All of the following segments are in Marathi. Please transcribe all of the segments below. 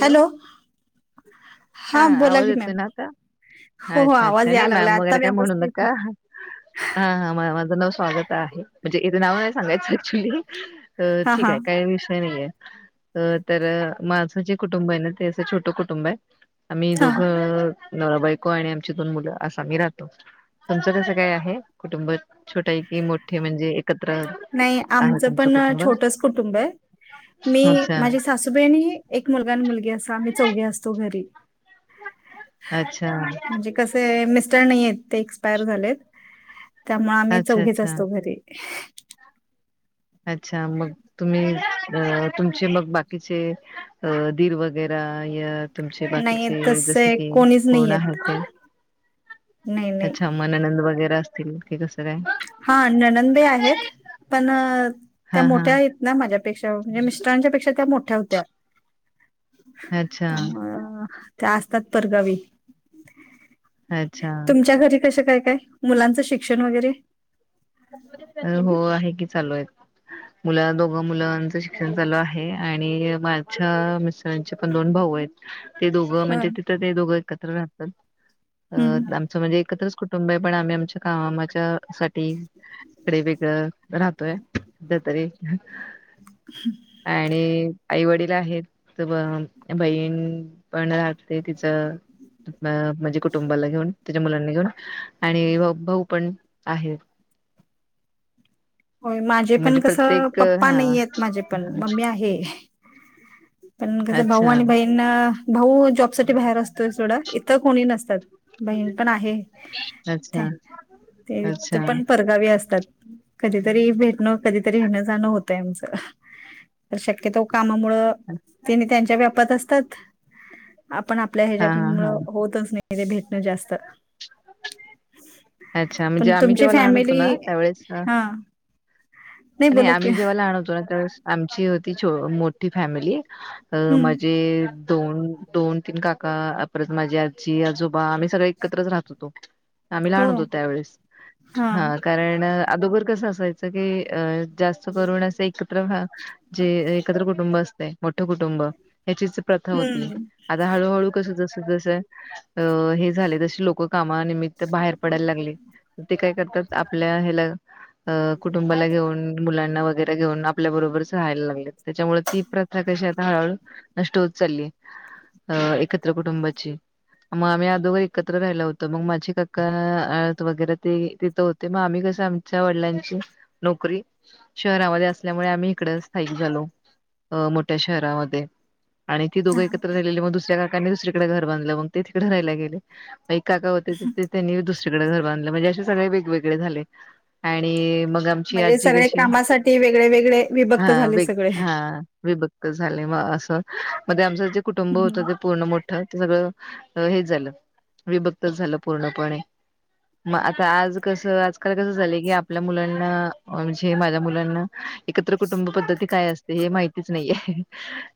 हॅलो. हा हां बोला आवाज की येतो मॅम. ना आता? हो, हो अच्छा अच्छा आवाज नाही यायला लागला मॅम आता वगैरे काय म्हणू नका व्यवस्थित हा हा म माझ नाव स्वागत आहे म्हणजे इथे नाव नाही सांगायचं ऍक्च्युली अ हां, ठीक हां, आहे काही विषय नाहीये. अ तर माझं जे कुटुंब आहे ना ते असं छोटं कुटुंब आहे आम्ही हां. दोघं नवरा बायको आणि आमची दोन मुलं अस आम्ही राहतो तुमचं कसं काय आहे कुटुंब? छोटा कि मोठे म्हणजे एकत्र नाही आहे आमचं तुमचं पण अ, कुटुंब छोटंच कुटुंब आहे. मी अच्छा माझी सासूबाई एक मुलगा मुलगी असा मी चौघे असतो घरी अच्छा म्हणजे कसं आहे मिस्टर नाहीत ते एक्सपायर झालेत त्यामुळे आम्ही अच्छा चौघेच अच्छा असतो घरी अच्छा मग तुम्ही तुमचे मग बाकीचे दीर वगैरे तुमचे नाही बाकीचे जस तसे की कोणीच नाही कोण आहे आहेत. ते नाही, नाही. अच्छा मग ननंद वगैरे असतील ते कसं काय हा ननंदे बाई आहेत पण त्या हा हा मोठ्या आहेत ना माझ्यापेक्षा म्हणजे मिस्टरांच्या पेक्षा त्या मोठ्या होत्या. अच्छा त्यामुळे त्या असतात परगावी. अच्छा. तुमच्या घरी कसं काय काय मुलांचं शिक्षण वगैरे? अ हो आहे की चालू आहेत. मुल दोघ मुलांच शिक्षण चालू आहे आणि माझ्या मिस्टरांचे पण दोन भाऊ दोघ होय म्हणजे तिथं ते दोघ एकत्र हम्म. राहात आमचं म्हणजे एकत्र कुटुंब पण आम्ही आमच्या कामाच्यासाठी इकडे वेगळं राहतोय सध्या तरी आणि आई वडील आहेत तर ब बहीण पण राहते तिचं म्हणजे कुटुंबाला घेऊन तिच्या मुलांनी घेऊन आणि भाऊ पण आहेत. होय माझे पण म्हणजे कसं प्रत्येक पप्पा हा नाहीयेत माझे पण मम्मी आहे. पण कसं भाऊ अच्छा आणि बहीण भाऊ जॉब साठी बाहेर असतोय सोडा इथं कोणी नसतात. बहीण पण आहे अच्छा ते तर अच्छा पण परगावी असतात. कधीतरी भेटणं कधीतरी येण जाणं होत आमचं शक्यतो कामामुळे त्यांच्या व्यापत असतात. आपण आपल्या हा हा हा ह्याच्यामुळं होतच नाही ते भेटणं जास्त. अच्छा पण म्हणजे आम्ही तुमची जेव्हा लहान होतो फॅमिली ना त्यावेळेस हा नाही आणि बोला की आम्ही जेव्हा लहान होतो ना तेव्हा आमची होती मोठी फॅमिली अ हम्म माझे दोन दोन तीन काका परत माझी आजी आजोबा आम्ही सगळे एकत्रच राहत होतो. आम्ही हो लहान होतो त्यावेेळेस हा कारण अदोगर कसं असायचं कि अ जास्त करून असे एकत्र जे एकत्र कुटुंब असतें मोठे कुटुंब ह्याचीच प्रथा होती हम्म आता हळूहळू कसं जसं जसं हे झाले जशी लोक कामानमित बाहेर पडायला लागले ते काय करतात आपल्या हयाला कुटुंबाला घेऊन मुलांना वगैरे घेऊन आपल्या बरोबरच राहायला लागले त्याच्यामुळे ती प्रथा कशी हळहळू नष्ट होत चालली अ एकत्र कुटुंबाची मग आम्ही अदोघर एकत्र राहिलं होतो मग माझे काका वगैरे ते तिथं होते मग आम्ही आमच्या वडिलांची नोकरी शहरामध्ये असल्यामुळे आम्ही इकडं स्थायिक झालो. अ मोठ्या शहरामध्ये आणि ती हा दोघं एकत्र राहिलेली मग दुसऱ्या काकानी दुसरीकडे घर बाधलं मग ते तिकडे राहायला गेले. काका होते त्यांनी दुसरीकडे घर बांधले म्हणजे असे सगळे वेगवेगळे झाले आणि मग म्हणजे आजी सगळे कशी कामासाठी वेगळे वेगळे हा विभक्त झाले सगळे हा विभक्त झाले असं मध्ये आमचं जे कुटुंब हम्म. होतं ते पूर्ण मोठ सगळं हे झालं विभक्तच झालं पूर्णपणे मग आता आज कसं आजकाल कसं झालंय की आपल्या मुलांना म्हणजे माझ्या मुलांना एकत्र कुटुंब पद्धती काय असते हे माहितीच नाहीये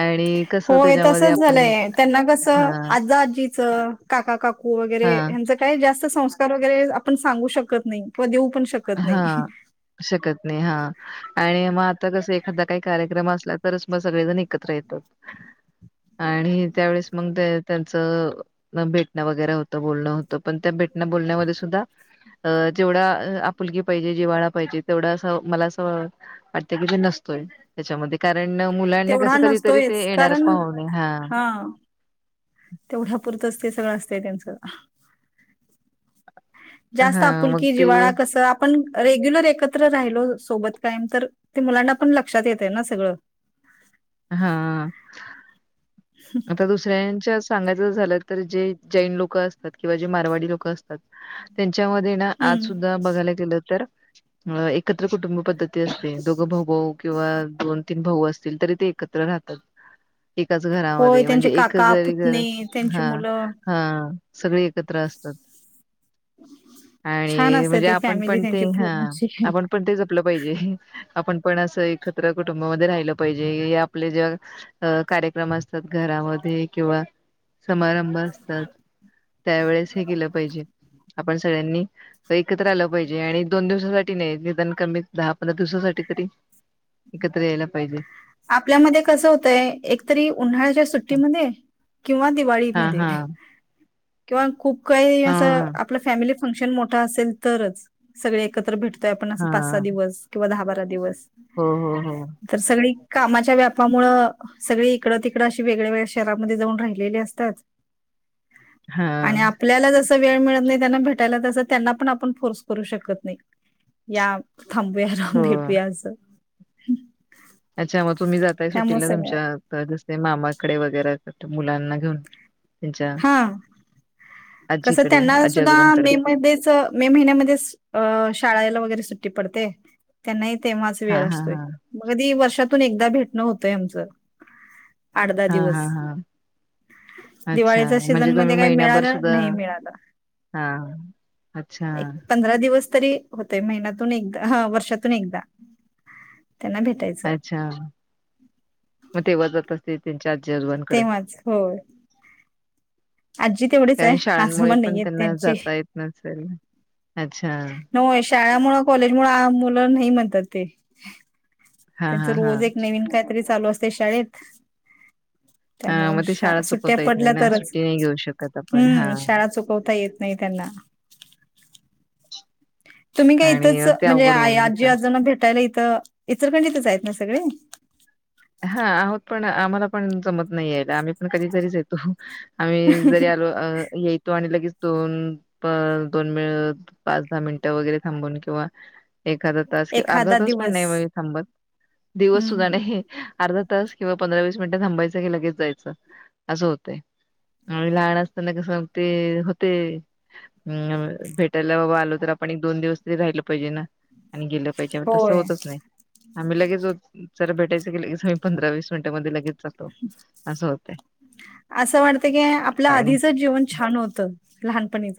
आणि कसं होय त्याच्यामध्ये तसच आपण झालंय त्यांना कस हां, आज अजी चं, काका काकू वगैरे, हां, हंच काय जास्त सं वगरे आपण सांगू शकत नाही, किंवा दे हा, शकत नाही हा,, आणि मग आता कस एखादा काही कार्यक्रम तरच मग सगळेजण एकत्र येतात. आणि, त्यावेळेस मग त्यांच भेटणं वगैरे होतं, बोलणं होतं, पण त्या भेटल्या, बोलन्या मधे सुद्धा जेवढा अं लकी पायजे, जिवाळा पायजे, तेवढा अस मला अस, वाटतय नसतय, त्या कारण, मुलांना कस तेवढा कधीतरी ते नसतोयच येणारच कारण पाहणे,, हा. तेवढ्या पुरतच ते सगळं असतय त्यांचं. जास्त हा मग आपुलकी ते जिवाळा कसं आपण रेग्युलर एकत्र राहिलो सोबत कायम,, तर ते मुलांना पण लक्षात येतय ना सगळंं हा, आता दुसऱ्यांच्याच सांगायचं झालं, जैन लोक असतात, क मारवाडी लोक अस च्या मधे ना, आज हम्म सुधा बघायला गेलं तर एकत्र कुटुंब पद् दोघ भाऊऊ किंवा दोन तीन भाऊ असतील तरी ते एकत्र राहतात, एकाऽळ होय त्यांचे म्हणजे एक काका जरी घर, पुतणे त्यांची हा, मुलं हा सगळे एकत्र असता [inaudible] छान आणिऽ असते म्हणजे ते आपण फॅमिली पण ते, त्यांची पूर्ण हा, अशी. आपण पण ते जपलं पाहिजे. आपण पण असं एकत्र कुटुंबामध्ये राहिलं पाहिजे, या आपले ज्या कार्यक्रम अस असत घरामध्ये किंवा समारंभ असतात, त्यावेेळेस हे केलं पाहिजे. आपण सगळ्यांनी एकत्र आलं पायजे, आणि दोन दिवसासाठी नाही निदान कमी दहा, पंधरा दिवसासाठी री, एकत्र यायला पायजे. आपल्यामध्ये कस होतंय, एक तरी उन्हाळ्याच्या सुट्टीमध्ये, किंवा हां दिवाळीमध्ये, हां किंवा खूप काही असं हां आपलं फॅमिली फंक्शन मोठा असेल तरच सगळे एकत्र भेटत आपण अस पाच सा हां दिवस किंवा, दहा बारा दिवस, हो हो हो तर सगळी कामाच्या व्यापामुळं सगळी इकडं, तिकडं अशी वेगळ्या, वेगळ्या शहरांमध्ये जाऊन राहिलेली असतात [inaudible] आणि हां आपल्याला जसं वेळ मिळत नाही त्यांना भेटायला तसं, त्यांना पण आपण फोर्स करू शकत नाही,, या थांबूया, आराम हो भेटूया आसं अच्छा, मग तुम्ही जाताय सुटीला तुमच्या मामाकडे वगैरे मुलांना घेऊन. त्यांच्या हा. कस आजीकडे त्यांना आजी सुद्धा आजोबांकडे मे मधेच, मे महिन्यामध्ये शाळेला वगैरे सु पडते,, त्यांना तेव्हाच हा वेळ हा असतोय,, हा म कधि वर्षात एकदा भेटणं होतय आमच. हा हा हा,, अच्छा. अच्छा, दिवाळीच्या म्हणजे सीझन मध्ये तुम्ही काही महिनाभर मिळालं सुद्धा नाही मिळालं. हा, अच्छा. एक पंधरा दिवस तरी होतय, महिन्यातून एकदा,, अंऽ वर्षातून एकदा. त्यांना भेटायचं. अच्छा,, मग तेव्हा जात असते त्यांच्या आजोबांकडे तेवाच, होय. आजी तेवढीच कारण आहे शाळांमुळे आजोबा पण नाहीयेत त्यांना त्यांचे. जाता येत नसेल. अच्छा. शाळा मुळं, कॉलेज मुळं, मुलं नाही म्हणतात ते हा त्यांच हा हा रोज एक नवीन काहीतरी चालू असतय शाळेत. हम्. हा त्यामुळे मग ते शा शाळा सुट्ट्या चुकवता येत नाही पडल्या ना, तरच सुट्टी नाही घेऊ शकत आपण हा. हम्म [inaudible] शाळा चुकवता येत नाही त्यांना तुम्ही काय आणि इथंच ते म्हणजे अवघड होऊन जात आजी आजना भेटा इथ इचलकरंजीत आहेत ना सगळे. हा आहोत पण आम्हाला पण जमत नाही आहे आम्ही पण कधीतरीच येतो. आम्ही जरी आलो येतो आणि लगेच दोन दोन मि पाच दहा मिनिटं वगैरे थांबून किंवा एखादा तास किंवा अर्धा एखादा तास पण दिवस नाही, म्ह थांबत दिवस सुद्धा हम्म नाही. अर्धा तास किंवा पंधरा वीस मिनिटं थांबायचं की लगेच जायचं असं होतय. लहान असताना कस मग ते होते अ भेटायला बाबा आलो तर आपण एक दोन दिवस तरी राहिलं पाहिजे ना. आणि गेलं पाहिजे तसं होय होतच नाही आम्ही लगेच ज भेटायच. च पंधरा वीस मिनिटमध्ये लगेच जातो असं होते. असं वाटतं की आपलं आधीच जीवन छान होतं लहानपणीच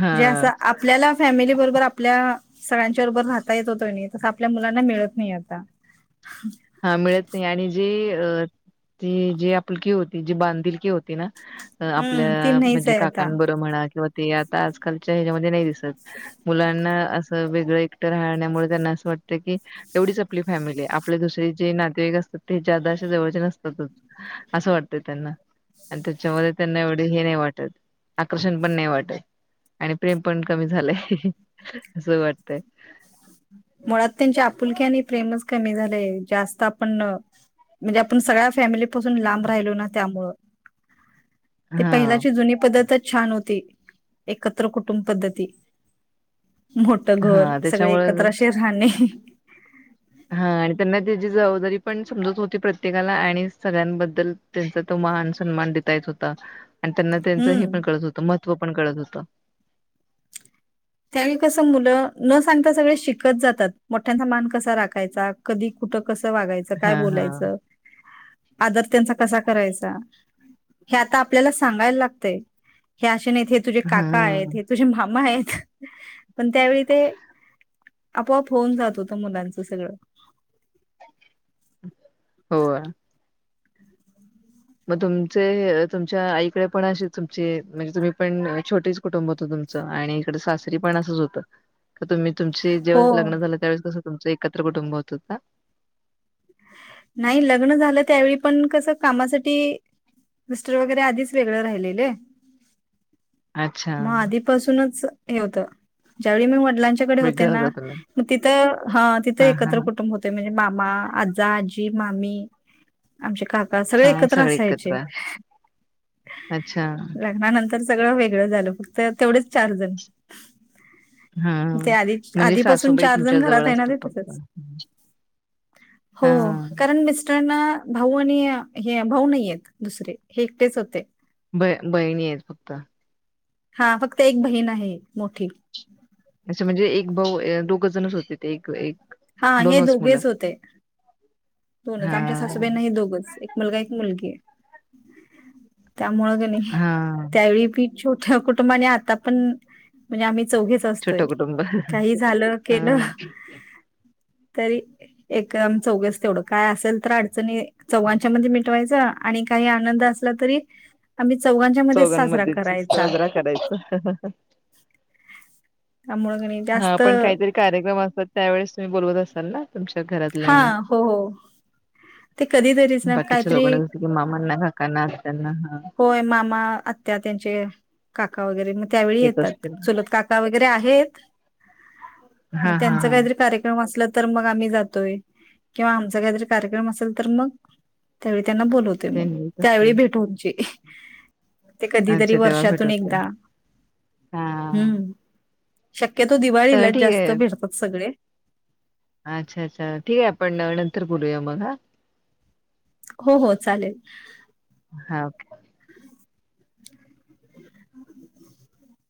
हा जे असं आपल्याला फॅमिली बरोबर आपल्या सगळ्यांच्या बरोबर राहता येत होतो नाही, तस आपल्या मुलांना मिळत नाही आता. हा मिळत नाही, आणि जे ती जे आपलकी होती जी बांधीलकी होती ना हम्म ती आपल्या नाहीच म्हणजे आहे आता काकांबर म्हणा किंवा ते आता आजकालच्या ह्याच्यामध्ये नाही दिसत मुलांना असं वेगळं एकटं राहण्यामुळे त्यांना असं वाटत की एवढीच आपली फॅमिली आहे आपल्या दुस जे नातेवाईक असतात ते जादाश जवळचे नसतातच असं वाटते त्यांना आणि त्याच्यामध्ये त्यांना एवढे हे नाही वाटत आकर्षण पण नाही वाटत. आणि प्रेम पण कमी झालंय असं वाटतय. मुळात त्यांची आपुलकी आणि प्रेमच कमी झाले जास्त आपण म्हणजे आपण सगळ्या फॅमिली पाासून लांब राहिलो ना त्यामु ते हा पहिची जुनी पद्धत प छान होती एकत्र कुटुंब पद्धती मोठ घर हा सगळे त्याच्यामुळे एकत्र असे राहणे. हां आणि त्यांना त्याची जबाबदारी पण समजत होती प्रत्येकाला आणि सगळ्यांबद्दल त्यांचा तो मान सन्मान देता येत होता. आणि त्यांना त्यांच हे हम्म पण कळत होतं महत्त्व पण कळत होत. त्यावेळी कस मुलं न सांगता सगळे शिकत जातात. मोठ्यांचा मान कसा राखायचा कधी कुठं कस वागायचं काय हां, हां, बोलायचं. आदर त्यांचा कसा करायचा हे आता आपल्याला सांगायला लागतय. तुझे काका हां. आहेत, तुझे मामा आहेत. पण त्यावेळी ते आपोआप होऊन जात होत मुलांचं सगळं हो. मग तुमचे तुमच्या आईकडे पण असे तुमचे म्हणजे तुम्ही पण छोटेच कुटुंब होत. आणि इकड सासरी पण असच होत. तुम्ही तुम हो जेवस लग्न झालं त्यावेळेस कसं तुमचं एकत्र कुटुंब होतंता नाही लग्न झालं त्यावेळी पण कस कामासाठी मिस्टर वगैरे आधीच वेगळं राहिलेले. अच्छा मग आधीपासूनच हे होतं. ज्यावेळी मी वडिलांच्याकडे होते वेगळं ना, होता तुम्ही. मग तिथं हा तिथं हां, एकत्र हां, कुटुंब होते म्हणजे मामा आजा आजी मामी आमच्या काका सगळे हां एकत्र असायचे एकत्र. अच्छा. लग्नानंतर तर सगळं वेगळं झालं फक्त तेवढेच चार जण ते हम् आधी म्हणजे आधीपासून सासूबाई चार जण तुमच्या घरात जवळ आहे ना असतात ते फक्त तसंच [unintelligible] हो कारण मिस् यानां भाऊ आणि हे भाऊ नाहीयेत दुसरे हे एकटेच होते. ब बहिणी आहेत फक्त हा फक्त एक बहीण आहे मोठी असे म्हणजे एक भाऊ अ, दोघ जणच होते ते एक एक हा हे दोनच मुलं दोघेच होते. दोनच हा आमच्या सासूबाईंना ह दोघच एक मुलगा एक मुलगी आहे. त्यामुळेकणी हा त्यावेळी मी छोट्या कुटुंबाने आता पण म्हणजे आम्ही चौघेच असतोय छोटं कुटुंब काही झालं हा केलं. तरी एकदम चौघच तेवढं काय असेल तर अडचणी चौघांच्या मध्ये मिटवायचं आणि काही आनंद असला तरी आम्ही चौघांच्या मध्ये साजरा चौघांमध्येच करायचा. साजरा करायचा त्यामुळे क नाही हा जास्त पण काहीतरी कार्यक्रम असतात त्यावेेळेस तुम्ही बोलवत असाल ना तुमच्या हा घरातल्यांना हो हो ते कधीतरीच ना बाकीच्या काहीतरी लोकांना कस मामांना काकांना आत्यांना हा होय मामा आत्या त्यांचे काका वगैरे म त्यावेळी येत येतात असतील चूलत काका वगैरे आहेत. मग हा हा त्यांच हा काहीतरी कार्यक्रम असल तर मग आम्ही जातोय किंवा आमचा काहीतरी कार्यक्रम असेल तर मग त्या त्यांना बोलवतोय मग त्यांनी येत त्यावेळी असतील भेटू व्हायची ते कधीतरी अच्छा तेव्हा भेट वर्षातून होते एकदा हा हम्म शक्यतो तर दिवाळीलाच ठीक जास्त आहे फिरतात सगळे अच्छा अच्छा ठीक आहे आपण नंतर बोलूया मग हा हो हो चालेल हा